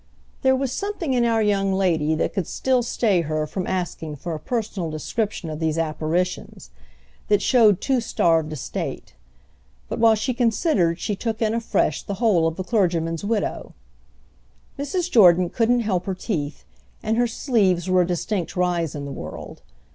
There was something in our young lady that could still stay her from asking for a personal description of these apparitions; that showed too starved a state. But while she considered she took in afresh the whole of the clergyman's widow. Mrs. Jordan couldn't help her teeth, and her sleeves were a distinct rise in the world.